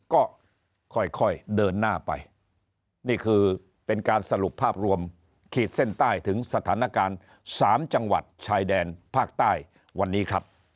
ก็ค่อยเดินหน้าไปนี่คือเป็นการสรุปภาพรวมขีดเส้นใต้ถึงสถานการณ์๓จังหวัดชายแดนภาคใต้วันนี้ครับ